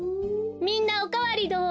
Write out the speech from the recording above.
みんなおかわりどう？